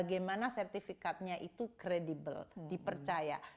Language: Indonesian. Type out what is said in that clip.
karena sertifikatnya itu credible dipercaya